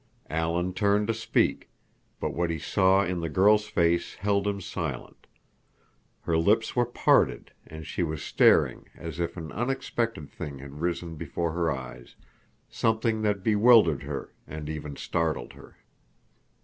Alan turned to speak, but what he saw in the girl's face held him silent. Her lips were parted, and she was staring as if an unexpected thing had risen before her eyes, something that bewildered her and even startled her.